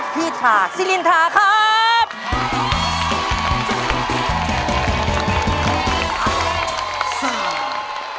พี่ธาซิลินทาครับ